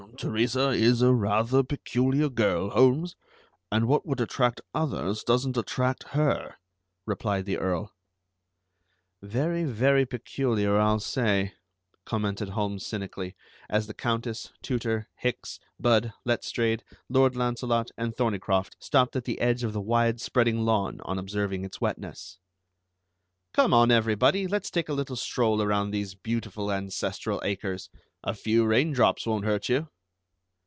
"Teresa is a rather peculiar girl, Holmes, and what would attract others doesn't attract her," replied the Earl. "Very, very peculiar, I'll say," commented Holmes cynically, as the Countess, Tooter, Hicks, Budd, Letstrayed, Lord Launcelot, and Thorneycroft stopped at the edge of the wide spreading lawn on observing its wetness. "Come on, everybody, let's take a little stroll around these beautiful ancestral acres. A few rain drops won't hurt you."